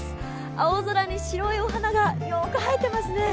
青空に白いお花がよく映えてますね。